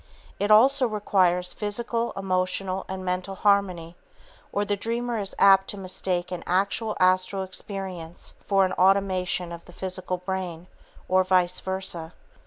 It also requires physical, emotional and mental harmony, or the dreamer is apt to mistake an actual astral experience for an automaton of the physical brain, or vice versa.